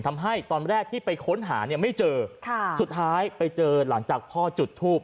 ทำให้ตอนแรกที่ไปค้นหาเนี่ยไม่เจอค่ะสุดท้ายไปเจอหลังจากพ่อจุดทูบ